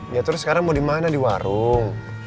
ya terus sekarang mau dimana di warung